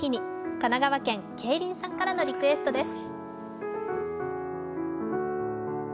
神奈川県、けいりんさんからのリクエストです。